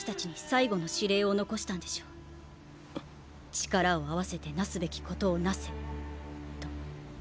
力を合わせて為すべきことを為せと。